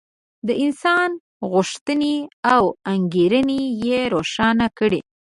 د انسان غوښتنې او انګېرنې یې روښانه کړې.